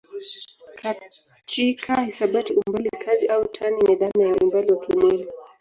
Katika hisabati umbali kazi au tani ni dhana ya umbali wa kimwili.